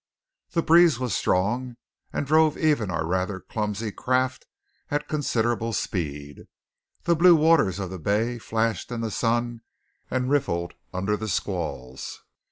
The breeze was strong, and drove even our rather clumsy craft at considerable speed. The blue waters of the bay flashed in the sun and riffled under the squalls.